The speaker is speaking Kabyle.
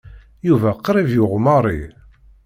Yuba qrib yuɣ Mary.